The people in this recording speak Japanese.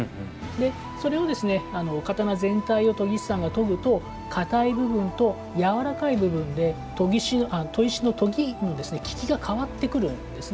それを、刀全体を研ぎ師さんが研ぐと硬い部分と軟らかい部分で砥石の効きが変わってくるんですね。